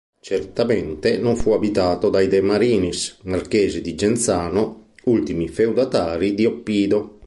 Certamente non fu abitato dai De Marinis, marchesi di Genzano, ultimi feudatari di Oppido.